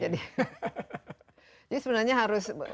jadi sebenarnya harus